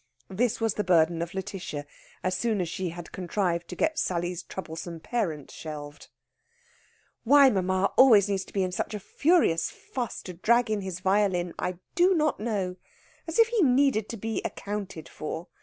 This was the burden of Lætitia, as soon as she had contrived to get Sally's troublesome parent shelved. "Why mamma needs always to be in such a furious fuss to drag in his violin, I do not know. As if he needed to be accounted for!